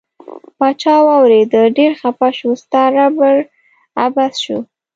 پاچا واوریده ډیر خپه شو ستا ربړ عبث شو.